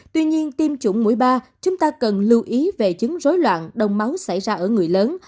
tuy nhiên tiêm chủng mũi ba chúng ta cần lưu ý về chứng rối loạn đông máu xảy ra ở người lớn